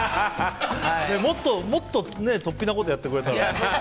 もっと突飛なことをやってくれたら。